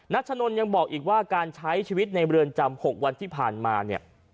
ัชนนท์ยังบอกอีกว่าการใช้ชีวิตในเรือนจำ๖วันที่ผ่านมาเนี่ย